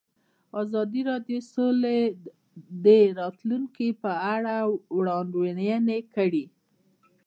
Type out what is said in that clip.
ازادي راډیو د سوله د راتلونکې په اړه وړاندوینې کړې.